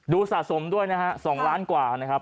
สะสมด้วยนะฮะ๒ล้านกว่านะครับ